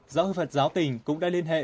giáo hội phật giáo tỉnh cũng đã liên hệ